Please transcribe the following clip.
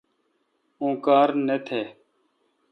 اوں کار نہ تھ۔